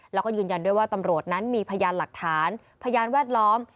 แล้วก็ยืนยันด้วยว่าตำรวจนั้นมีพยานหลักฐานพยานแวดล้อม